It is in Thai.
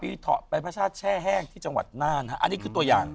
เถาะไปพระชาติแช่แห้งที่จังหวัดน่านฮะอันนี้คือตัวอย่าง